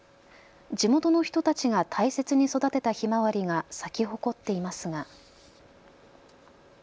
地元の人たちが大切に育てたひまわりが咲き誇っていますが。